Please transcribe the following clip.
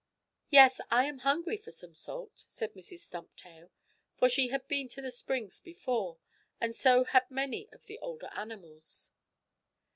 "Yes, I am hungry for some salt," said Mrs. Stumptail, for she had been to the springs before, and so had many of the older animals.